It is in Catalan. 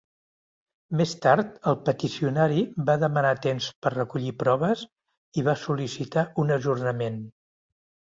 Més tard, el peticionari va demanar temps per recollir proves i va sol·licitar un ajornament.